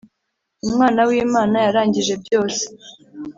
umwana w` imana yarangije byose